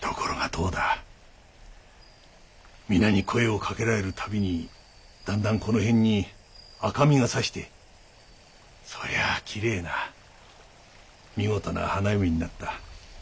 みなに声をかけられるたびにだんだんこの辺に赤みが差してそりゃあきれいな見事な花嫁になった。